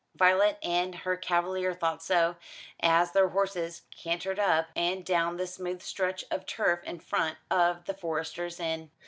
Violet and her cavalier thought so, as their horses cantered up and down the smooth stretch of turf in front of The Forester's Inn.